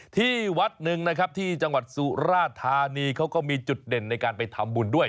ที่วัดหนึ่งนะครับที่จังหวัดสุราธานีเขาก็มีจุดเด่นในการไปทำบุญด้วย